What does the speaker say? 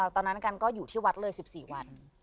ตอนนั้นกันก็อยู่ที่วัดเลย๑๔วัน